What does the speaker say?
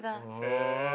へえ。